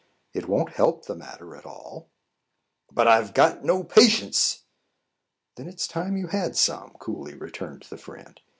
"It won't help the matter at all." "But I've got no patience." "Then it is time you had some," coolly returned the friend.